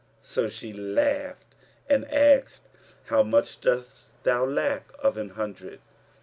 So she laughed and asked, "How much dost thou lack of an hundred?"